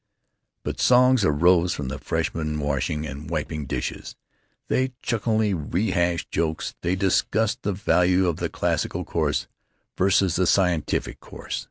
But songs arose from the freshmen washing and wiping dishes; they chucklingly rehashed jokes; they discussed the value of the "classical course" versus the "scientific course."